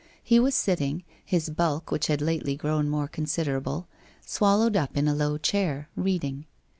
He was sitting, his bulk which had lately grown more considerable, swal lowed up in a low chair, reading.